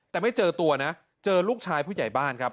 แต่ไม่เจอตัวนะเจอลูกชายผู้ใหญ่บ้านครับ